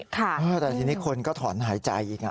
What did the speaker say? แต่ทีนี้คนก็ถอนหายใจอีก